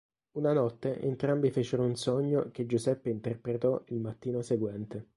Una notte entrambi fecero un sogno che Giuseppe interpretò il mattino seguente.